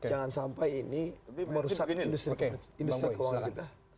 jangan sampai ini merusak industri keuangan kita